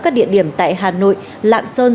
các địa điểm tại hà nội lạng sơn